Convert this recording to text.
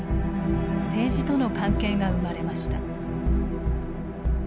政治との関係が生まれました。